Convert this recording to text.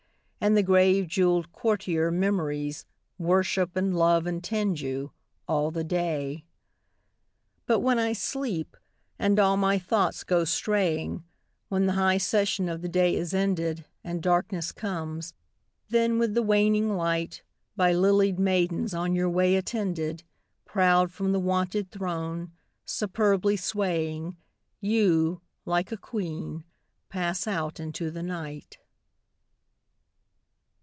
And the grave jewelled courtier Memories Worship and love and tend you, all the day. But when I sleep, and all my thoughts go straying, When the high session of the day is ended, And darkness comes; then, with the waning light, By lilied maidens on your way attended, Proud from the wonted throne, superbly swaying, You, like a queen, pass out into the night.